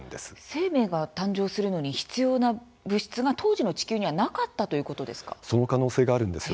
生命が誕生するのに必要な物質が、当時の地球にはその可能性があるんです。